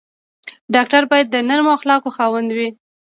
ډاکټر باید د نرمو اخلاقو خاوند وي.